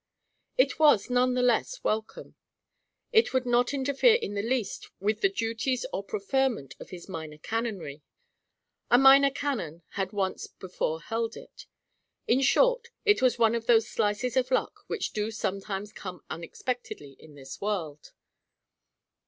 It was none the less welcome. It would not interfere in the least with the duties or preferment of his minor canonry: a minor canon had once before held it. In short, it was one of those slices of luck which do sometimes come unexpectedly in this world.